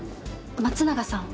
松永さん